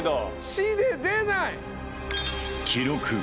「し」で出ない！